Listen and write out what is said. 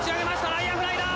内野フライだ。